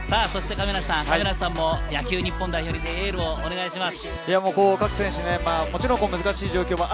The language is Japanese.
亀梨さんは野球日本代表にエールをお願いします。